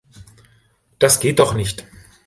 Das geht doch nicht!